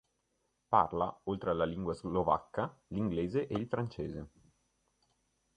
Parla, oltre alla lingua slovacca, l'inglese e il francese.